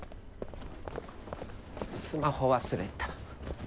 スマホ忘れた。